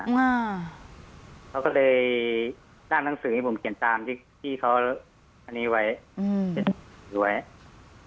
ว่าเขาก็เลยด้านหนังสือให้ผมเขียนตามที่ที่เขาอันนี้ไว้อืมเขียนไว้